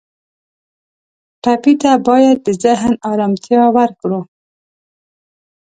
ټپي ته باید د ذهن آرامتیا ورکړو.